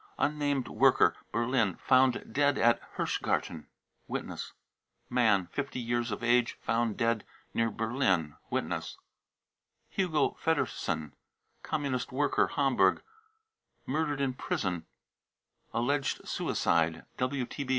unnamed worker, Berlin, found dead at Hirschgarten. (Witness.) man, 50 years of age, found dead near Berlin.'/ (Witness.) hugo feddersen, Communist worker, Hamburg, murdered in prison, alleged suicide.